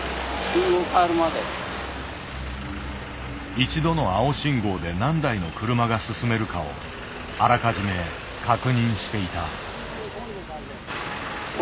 一度の青信号で何台の車が進めるかをあらかじめ確認していた。